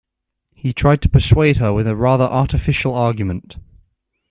He tried to persuade her with a rather artificial argument